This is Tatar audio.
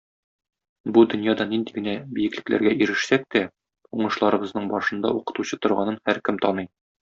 Бу дөньяда нинди генә биеклекләргә ирешсәк тә, уңышларыбызның башында укытучы торганын һәркем таный.